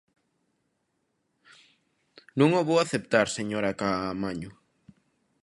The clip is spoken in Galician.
Non o vou aceptar, señora Caamaño.